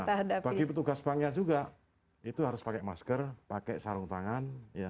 nah bagi petugas banknya juga itu harus pakai masker pakai sarung tangan